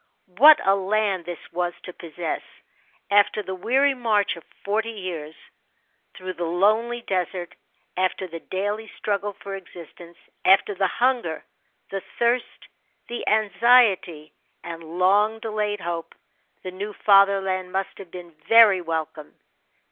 What a land this was to possess ! After the weary march of forty years, through the lonely desert, after the daily struggle for existence, af^er the hunger, the thirst, the anxiety, and long delayed hope, the new fatherland must have been very welcome.